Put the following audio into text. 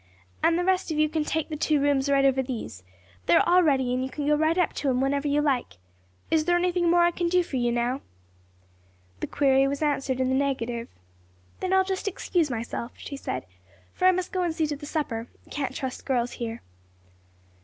"And the rest of you can take the two rooms right over these. They're all ready and you can go right up to 'em whenever you like. Is there anything more I can do for you now?" The query was answered in the negative. "Then I'll just excuse myself," she said; "for I must go and see to the supper; can't trust girls here."